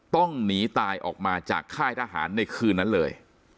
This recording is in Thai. ต้องหนีตายออกมาจากค่ายทหารในคืนนั้นเลย